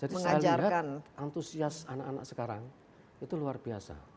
jadi saya lihat antusias anak anak sekarang itu luar biasa